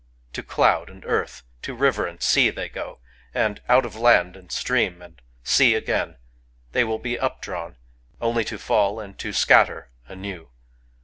To cloud and earth, to river and sea they go ; and out of land and stream and sea again they will be updrawn, only to ^11 and to scatter anew.